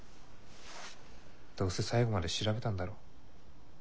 どうせ最後まで調べたんだろ？